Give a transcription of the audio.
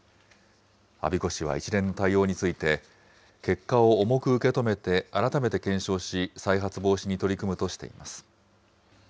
我孫子市は一連の対応について、結果を重く受け止めて、改めて検証し、再発防止に取り組むとしています。